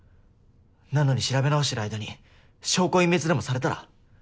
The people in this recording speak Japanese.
なのに調べ直してる間に証拠隠滅でもされたら？